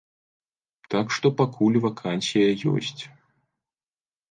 Так што пакуль вакансія ёсць.